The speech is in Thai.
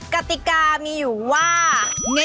กติกามีอยู่ว่า